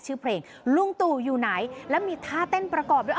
ชื่อเพลงลุงตู่อยู่ไหนและมีท่าเต้นประกอบด้วย